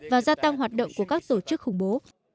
và gia tăng hoạt động của các tổ chức khủng bố